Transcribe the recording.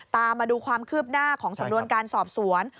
ตามมาดูความคืบหน้าของสำนวนการสอบสวน